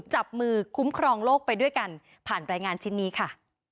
จับมือคุ้มครองโลกไปด้วยกันผ่านรายงานชิ้นนี้ค่ะ